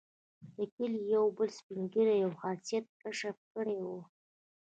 د کلي یو بل سپین ږیري یو خاصیت کشف کړی وو.